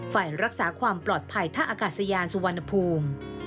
ฝ่ายรักษาความปลอดภัยท่าอากาศยานสุวรรณภูมิ